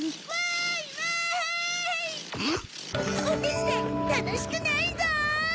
おてつだいたのしくないぞ！